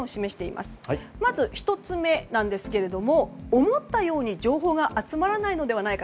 まず、１つ目なんですけれども思ったように情報が集まらないのではないか。